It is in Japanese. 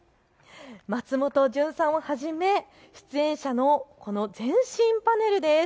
松本潤さんをはじめ出演者の全身パネルです。